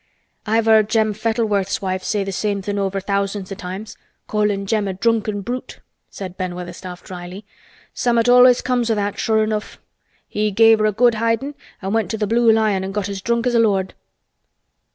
"I've heard Jem Fettleworth's wife say th' same thing over thousands o' times—callin' Jem a drunken brute," said Ben Weatherstaff dryly. "Summat allus come o' that, sure enough. He gave her a good hidin' an' went to th' Blue Lion an' got as drunk as a lord."